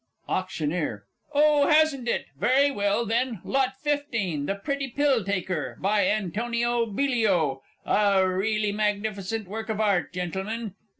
AUCT. Oh, hasn't it? Very well, then. Lot 15. "The Pretty Pill taker," by Antonio Bilio a really magnificent work of Art, Gentlemen.